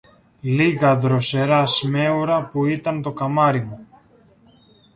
λίγα δροσερά σμέουρα, που ήταν το καμάρι μου!